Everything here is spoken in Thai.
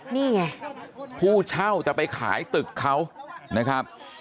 นี่ไงผู้เช่าจะไปขายตึกเขานะครับ